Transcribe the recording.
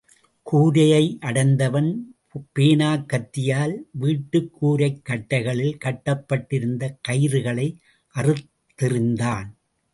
கூரையை அடைந்தவுடன் பேனாக்கத்தியால் வீட்டுக் கூரைக் கட்டைகளில் கட்டப்பட்டிருந்த கயிறுகளை அறுத்தெறிந்தான்.